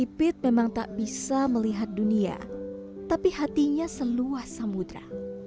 pipit memang tak bisa melihat dunia tapi hatinya seluas samudera